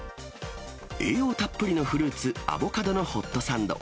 栄養たっぷりのフルーツ、アボカドのホットサンド。